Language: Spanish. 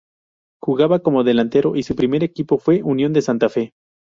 Jugaba como delantero y su primer equipo fue Unión de Santa Fe.